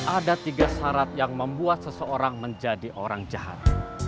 ada tiga syarat yang membuat seseorang menjadi orang jahat